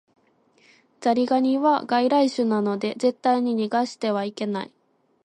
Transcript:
ザリガニは外来種なので絶対に逃してはいけない